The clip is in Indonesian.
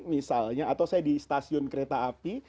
misalnya atau saya di stasiun kereta api